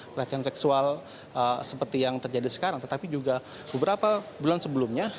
pelecehan seksual seperti yang terjadi sekarang tetapi juga beberapa bulan sebelumnya